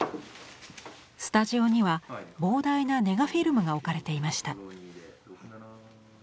スタジオには膨大なネガフィルムが置かれていました。